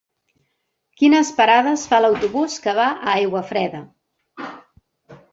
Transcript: Quines parades fa l'autobús que va a Aiguafreda?